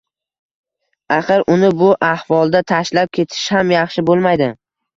Axir, uni bu axvolda tashlab ketish ham yaxshi bo`lmaydi